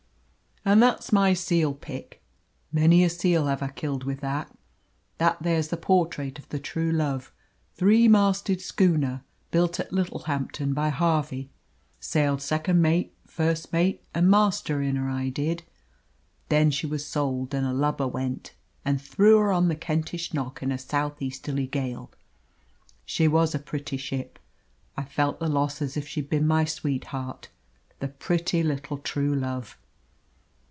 "And that's my seal pick many a seal have I killed with that. That there's the portrait of the True Love, three masted schooner, built at Littlehampton by Harvey. Sailed second mate, first mate, and master in her, I did. Then she was sold; and a lubber went and and threw her on the Kentish Knock in a south easterly gale. She was a pretty ship! I felt the loss as if she'd been my sweetheart the pretty little True Love!